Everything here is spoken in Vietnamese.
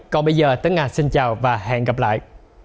còn bây giờ tấn a xin chào và hẹn gặp lại